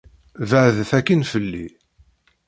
Beɛdet akkin fell-i.